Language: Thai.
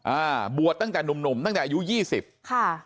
อ่าบวชตั้งแต่หนุ่มตั้งแต่อายุ๒๐ค่ะ